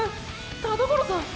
田所さん！